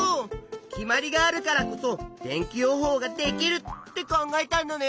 決まりがあるからこそ天気予報ができるって考えたんだね。